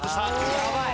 やばい！